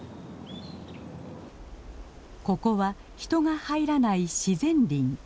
ここは人が入らない自然林。